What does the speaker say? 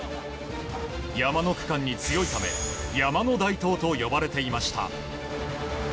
山の区間に強いため山の大東と呼ばれていました。